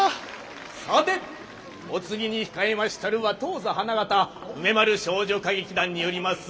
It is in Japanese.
さてお次に控えましたるは当座花形梅丸少女歌劇団によります